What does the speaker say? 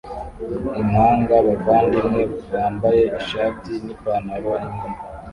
Impanga bavandimwe bambaye ishati nipantaro imwe